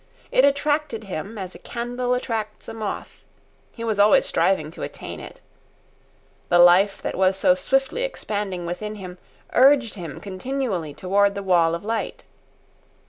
It attracted him as a candle attracts a moth. He was always striving to attain it. The life that was so swiftly expanding within him, urged him continually toward the wall of light.